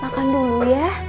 makan dulu ya